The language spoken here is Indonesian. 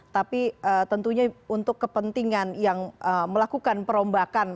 tapi tentunya untuk kepentingan yang melakukan perombakan